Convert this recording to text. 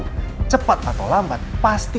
kita cari jalan keluar yang baru barunya